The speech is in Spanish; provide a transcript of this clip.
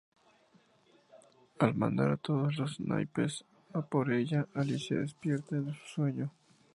Al mandar a todos los naipes a por ella, Alicia despierta de su sueño.